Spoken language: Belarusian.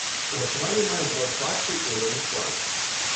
Умацаванне мае два фасы і адзін фланк.